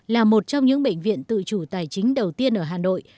là một trong những bệnh viện tự chủ tài chính đầu tiên ở hà nội